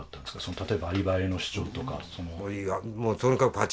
例えばアリバイの主張とか。